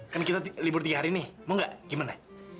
kan kita libur tiga hari nih mau gak gimana